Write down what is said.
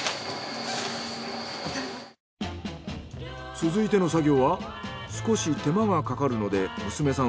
続いての作業は少し手間がかかるので娘さん